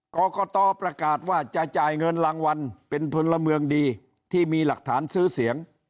กรกตประกาศว่าจะจ่ายเงินรางวัลเป็นพลเมืองดีที่มีหลักฐานซื้อเสียง